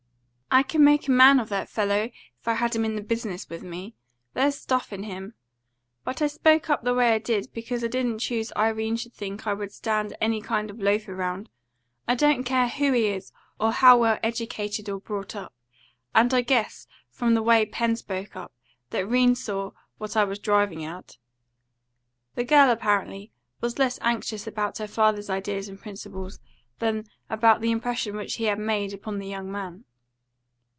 "I could make a man of that fellow, if I had him in the business with me. There's stuff in him. But I spoke up the way I did because I didn't choose Irene should think I would stand any kind of a loafer 'round I don't care who he is, or how well educated or brought up. And I guess, from the way Pen spoke up, that 'Rene saw what I was driving at." The girl, apparently, was less anxious about her father's ideas and principles than about the impression which he had made upon the young man.